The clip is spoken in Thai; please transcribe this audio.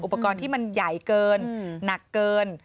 อุปกรณ์ที่มันใหญ่เกินหนักเกิน